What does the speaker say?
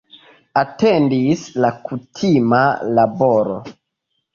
Atendis la kutima laboro.